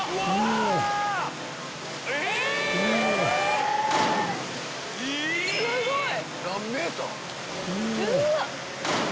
え⁉すごい！